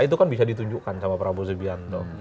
itu kan bisa ditunjukkan sama prabowo subianto